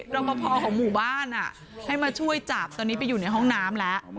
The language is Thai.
รอปภของหมู่บ้านให้มาช่วยจับตอนนี้ไปอยู่ในห้องน้ำแล้ว